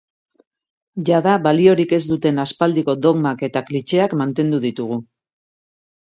Jada baliorik ez duten aspaldiko dogmak eta klixeak mantendu ditugu.